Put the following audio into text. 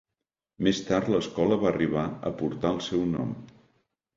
Més tard, l'escola va arribar a portar el seu nom.